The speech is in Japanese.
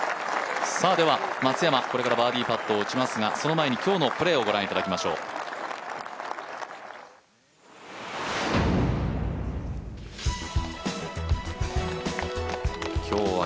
松山、これからバーディーパットを打ちますがその前に今日のプレーをご覧いただきましょう。